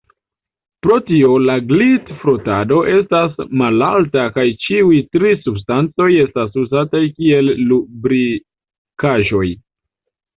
Pro tio la glitfrotado estas malalta kaj ĉiuj tri substancoj estas uzataj kiel lubrikaĵoj.